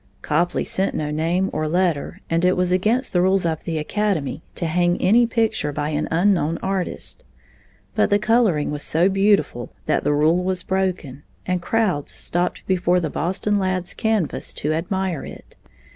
Copley sent no name or letter, and it was against the rules of the Academy to hang any picture by an unknown artist, but the coloring was so beautiful that the rule was broken, and crowds stopped before the Boston lad's canvas to admire it.